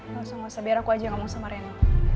gak usah gak usah biar aku aja yang ngomong sama reno